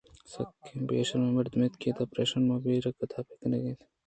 سکّیں بے شرمیں مردم اَنت ءُادا پریشاں من ءَ بیئر ءِ قدّح پر کنگی اِنت